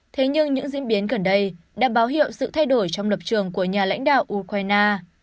thế nhưng những diễn biến gần đây đã báo hiệu sự thay đổi trong lập trường của nhà lãnh đạo ukraine